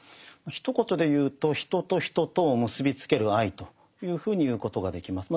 ひと言で言うと人と人とを結びつける愛というふうに言うことができます。